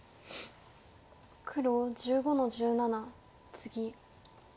黒１５の十七ツギ。